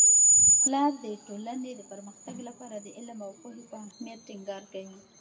پلار د ټولنې د پرمختګ لپاره د علم او پوهې په اهمیت ټینګار کوي.